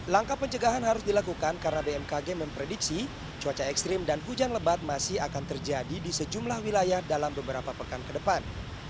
langkah pencegahan harus dilakukan karena bmkg memprediksi cuaca ekstrim dan hujan lebat masih akan terjadi di sejumlah wilayah dalam beberapa pekan ke depan